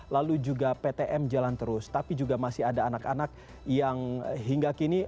lalu juga ptm jalan terus tapi juga masih ada anak anak yang hingga kini